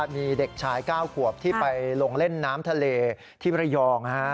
มีเด็กชาย๙ขวบที่ไปลงเล่นน้ำทะเลที่ระยอง